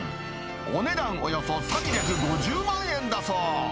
お値段およそ３５０万円だそう。